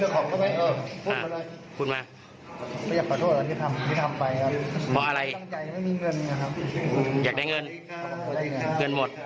ขอบคุณครับ